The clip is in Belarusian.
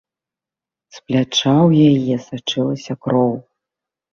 З пляча ў яе сачылася кроў.